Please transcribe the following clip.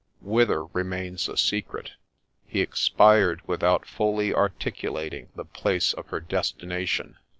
Whither remains a secret. He expired without fully articulating the place of her destination.